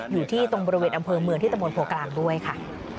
อยู่ที่ตรงบริเวณอำเภอเมืองที่ตะมนตโพกลางด้วยค่ะ